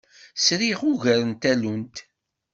Sriɣ ugar n tallunt.